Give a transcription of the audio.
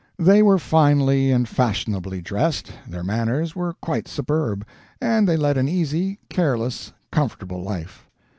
They were finely and fashionably dressed, their manners were quite superb, and they led an easy, careless, comfortable life.